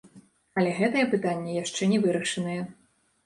Але гэтае пытанне яшчэ не вырашанае.